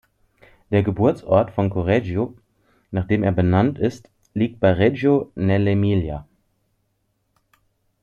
Der Geburtsort von Correggio, nach dem er benannt ist, liegt bei Reggio nell’Emilia.